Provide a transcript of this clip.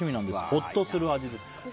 ほっとする味です。